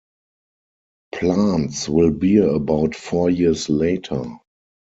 Plants will bear about four years later.